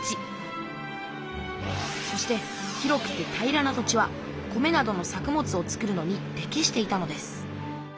そして広くて平らな土地は米などの作物を作るのにてきしていたのです。